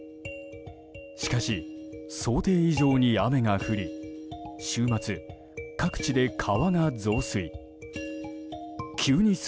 しかし、想定以上に雨が降り週末、各地で川が増水。